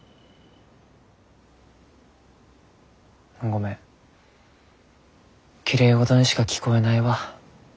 ごめんきれいごどにしか聞こえないわ。